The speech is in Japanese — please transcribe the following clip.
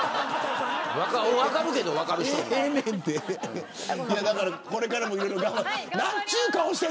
分かるけど分からん。